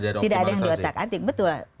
tidak ada yang diutak atik betul